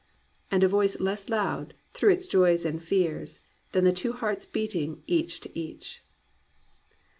And a voice less loud, through its joys and fears. Than the two hearts beating each to each